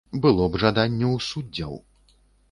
Было б жаданне ў суддзяў.